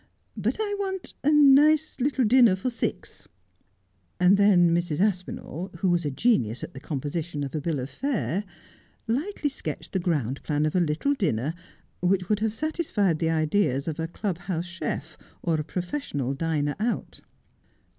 But I want a nice little dinner for six.' And then Mrs. Aspinall, who was a genius at the composition of a bill of fare, lightly sketched the ground plan of a little dinner which would have satisfied the ideas of a club house chef, or a professional diner out.